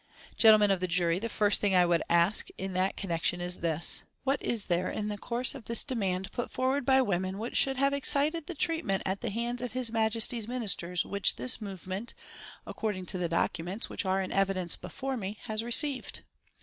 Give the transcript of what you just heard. "Gentlemen of the jury, the first thing I would ask in that connection is this: What is there in the course of this demand put forward by women which should have excited the treatment at the hands of His Majesty's Ministers which this movement, according to the documents which are in evidence before me, has received?